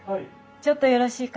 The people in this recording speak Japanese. ちょっとよろしいかしら？